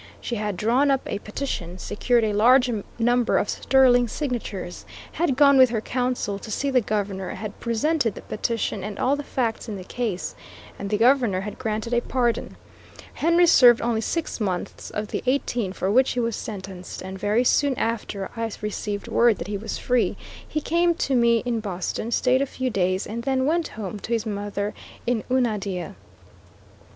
She bad drawn up a petition, secured a large number of sterling signatures, had gone with her counsel to see the Governor, had presented the petition and all the facts in the case, and the Governor had granted a pardon. Henry served only six months of the eighteen for which he was sentenced, and very soon after I received word that he was free, he came to me in Boston, stayed a few days, and then went home to his mother in Unadilla.